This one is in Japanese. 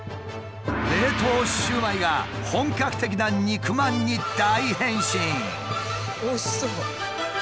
冷凍シュウマイが本格的な肉まんに大変身。